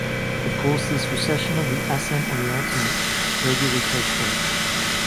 Of course this recession of the accent on the ultimate regularly takes place.